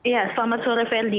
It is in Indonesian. ya selamat sore fendi